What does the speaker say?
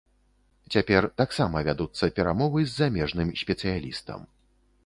Цяпер таксама вядуцца перамовы з замежным спецыялістам.